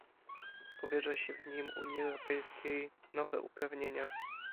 Powierza się w nim Unii Europejskiej nowe uprawnienia